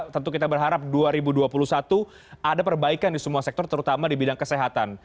tentu kita berharap dua ribu dua puluh satu ada perbaikan di semua sektor terutama di bidang kesehatan